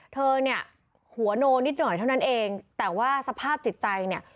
เธอเนี่ยหัวโนนิดหน่อยเท่านั้นเองแต่ว่าสภาพจิตใจเนี่ย